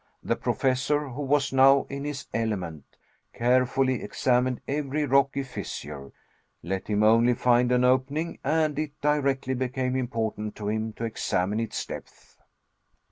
The Professor, who was now in his element, carefully examined every rocky fissure. Let him only find an opening and it directly became important to him to examine its depth.